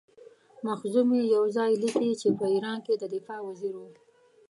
مخزومي یو ځای لیکي چې په ایران کې د دفاع وزیر وو.